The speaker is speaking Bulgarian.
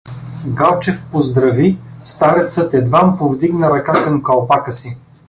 Галчев поздрави — старецът едвам подигна ръка към калпака си.